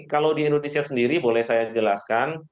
kalau di indonesia sendiri boleh saya jelaskan